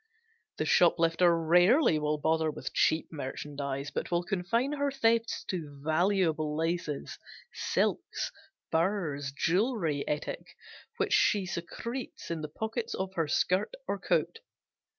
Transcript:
The shoplifter rarely will bother with cheap merchandise, but will confine her thefts to valuable laces, silks, furs, jewelry, etc., which she secretes in the pockets of her skirt or coat.